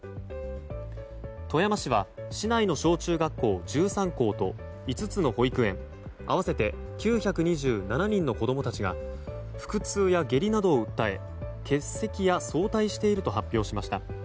富山市は市内の小中学校１３校と５つの保育園合わせて９２７人の子供たちが腹痛や下痢などを訴え欠席や早退していると発表しました。